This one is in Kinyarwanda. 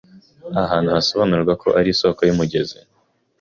ahantu hasobanurwa ko ari isoko y’umugezi